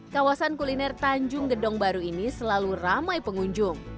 kawasan kuliner tanjung gedong baru ini selalu ramai pengunjung